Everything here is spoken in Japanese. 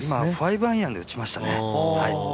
５アイアンで打ちましたね。